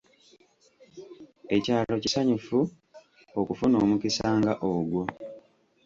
Ekyalo kisanyufu okufuna omukisa nga ogwo.